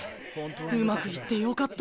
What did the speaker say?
うまくいってよかった。